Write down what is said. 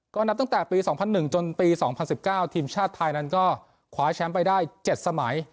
ก็นับตั้งแต่ปี๒๐๐๑จนปี๒๐๑๙ทีมชาติไทยนั้นก็คว้าแชมป์ไปได้๗สมัย